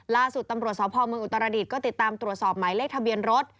ล่าสุดตำรวจสพเมืองอุตรดิษฐ์ก็ติดตามตรวจสอบหมายเลขทะเบียนรถ